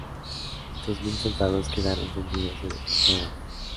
Dos mil soldados quedaron tendidos en el campo de batalla.